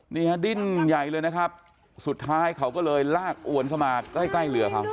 นี่ฮะดิ้นใหญ่เลยนะครับสุดท้ายเขาก็เลยลากอวนเข้ามาใกล้ใกล้เรือเขา